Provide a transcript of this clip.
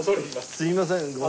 すみません。